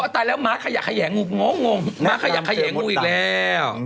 ตายแล้วหมาขยักขยังงูหมาขยักขยังงูอีกแล้ว